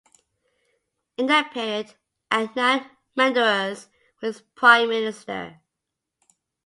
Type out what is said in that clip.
In that period, Adnan Menderes was his prime minister.